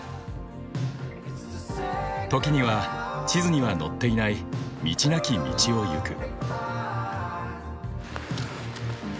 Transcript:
時には地図には載っていない道なき道をゆく。